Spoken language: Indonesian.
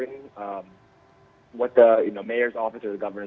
apa yang akan dilakukan pejabat atau pejabat pemerintah